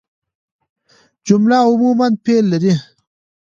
جمله عموماً فعل لري.